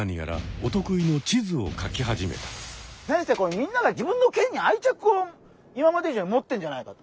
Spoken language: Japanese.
みんなが自分の県に愛着を今まで以上に持ってんじゃないかと。